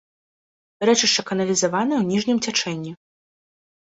Рэчышча каналізаванае ў ніжнім цячэнні.